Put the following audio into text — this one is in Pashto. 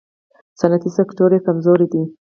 صنعتي سکتور یې کمزوری دی.